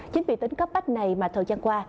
chính vì tính cấp bách này mà thời gian qua